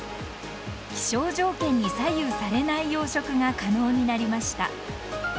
気象条件に左右されない養殖が可能になりました。